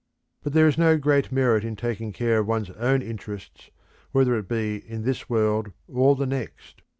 But there is no great merit in taking care of one's own interests whether it be in this world or the next.